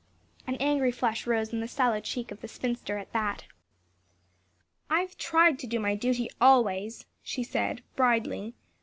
An angry flush rose in the sallow cheek of the spinster at that. "I've tried to do my duty always," she said, bridling.